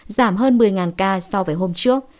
giảm hơn một mươi ca so với hôm trước